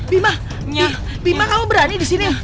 bima bima kamu berani di sini